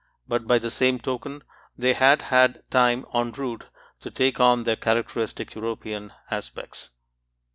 But by the same token, they had had time en route to take on their characteristic European aspects.